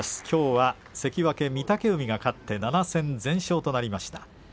きょうは関脇御嶽海、勝って７戦全勝となっています。